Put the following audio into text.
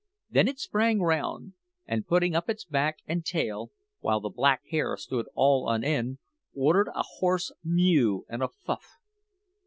Then it sprang round, and, putting up its back and tail, while the black hair stood all on end, uttered a hoarse mew and a fuff.